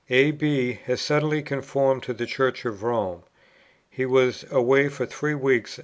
A. B. has suddenly conformed to the Church of Rome. He was away for three weeks.